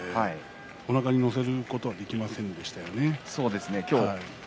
おなかに乗せることはできませんでした。